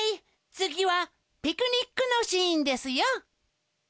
つぎはピクニックのシーンですよ！